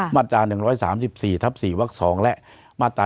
มาตรา๑๓๔ทับ๔วัก๒และมาตรา๑